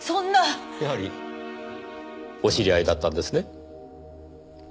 やはりお知り合いだったんですね？